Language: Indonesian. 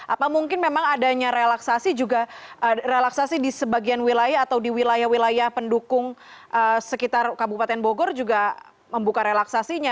apa mungkin memang adanya relaksasi juga relaksasi di sebagian wilayah atau di wilayah wilayah pendukung sekitar kabupaten bogor juga membuka relaksasinya